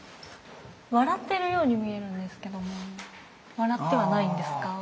笑ってるように見えるんですけども笑ってはないんですか？